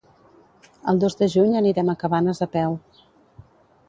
El dos de juny anirem a Cabanes a peu.